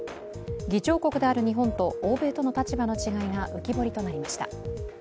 議長国である日本と欧米との立場の違いが浮き彫りとなりました。